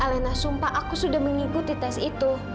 alena sumpah aku sudah mengikuti tes itu